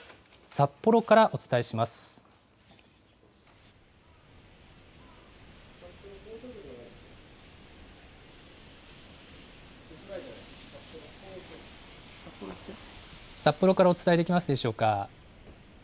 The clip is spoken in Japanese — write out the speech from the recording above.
札幌からお伝えできますでしょうか。